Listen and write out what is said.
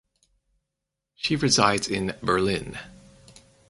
She resides in Berlin.